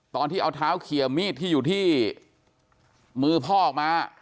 ตอนที่เอาเท้าเขียมีดที่อยู่ที่มือพ่อออกมา